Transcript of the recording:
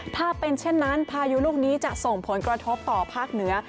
ถ้าเป็นเช่นนั้นพายุลูกนี้จะส่งผลกระทบต่อภาคเหนือ